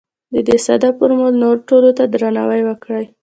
د دې ساده فورمول نورو ټولو ته درناوی وکړئ.